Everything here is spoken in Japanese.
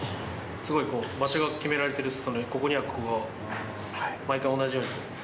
すごいこう、場所が決められてるんですよね、ここにはこれが、毎回同じように。